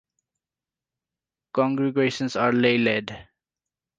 Congregations are lay-led.